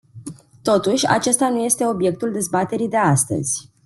Totuși, acesta nu este obiectul dezbaterii de astăzi.